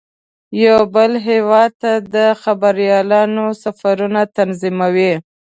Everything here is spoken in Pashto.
یو بل هیواد ته د خبریالانو سفرونه تنظیموي.